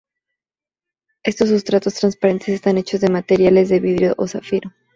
Estos sustratos transparentes están hechos de materiales de vidrio o zafiro.